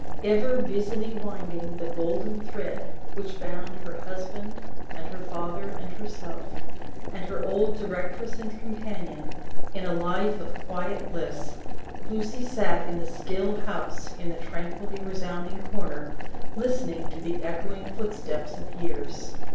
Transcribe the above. Ever busily winding the golden thread which bound her husband, and her father, and herself, and her old directress and companion, in a life of quiet bliss, Lucie sat in the still house in the tranquilly resounding corner, listening to the echoing footsteps of years.